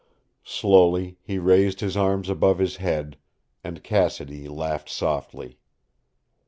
Slowly he raised his arms above his head, and Cassidy laughed softly.